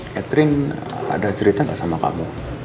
catherine ada cerita nggak sama kamu